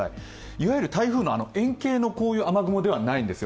いわゆる台風の円形の雨雲ではないんですよ。